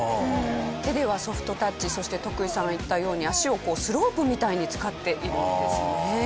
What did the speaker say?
手ではソフトタッチそして徳井さんが言ったように足をスロープみたいに使っているんですね。